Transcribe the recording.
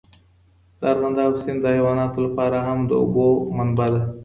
د ارغنداب سیند د حیواناتو لپاره هم د اوبو منبع ده.